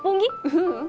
ううん。